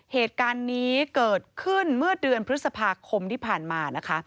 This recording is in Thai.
เหตุการณ์นี้เกิดขึ้นเมื่อเดือนพฤษภาคมที่ผ่านมานะคะ